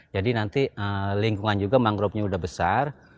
jadi nanti lingkungan juga mangrovenya udah besar